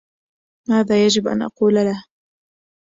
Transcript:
ماذا يجب أن أقول له؟